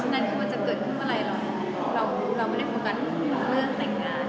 นั้นคือมันจะเกิดขึ้นเมื่อไหร่เราไม่ได้โฟกัสเรื่องแต่งงาน